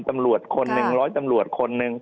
ภารกิจสรรค์ภารกิจสรรค์